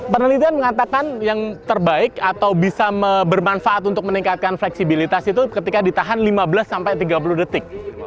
penelitian mengatakan yang terbaik atau bisa bermanfaat untuk meningkatkan fleksibilitas itu ketika ditahan lima belas sampai tiga puluh detik